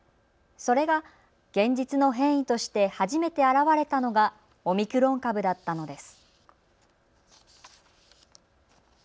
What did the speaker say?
それが現実の変異として初めて現れたのがオミクロン株だったのです。